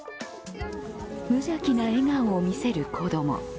無邪気な笑顔を見せる子供。